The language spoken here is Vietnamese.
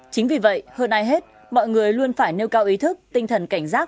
chính vì vậy hơn ai hết mọi người luôn phải nêu cao ý thức tinh thần cảnh giác